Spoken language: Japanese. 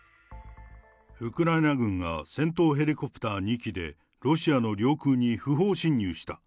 ウクライナ軍が戦闘ヘリコプター２機で、ロシアの領空に不法侵入した。